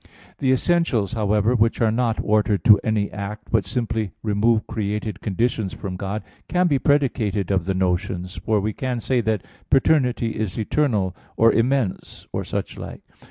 The essentials, however, which are not ordered to any act, but simply remove created conditions from God, can be predicated of the notions; for we can say that paternity is eternal, or immense, or such like.